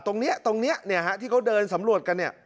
ตรงเนี้ยตรงเนี้ยเนี้ยฮะที่เขาเดินสำรวจกันเนี้ย